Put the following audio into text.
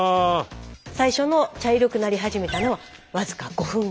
最初の茶色くなり始めたのは僅か５分後でした。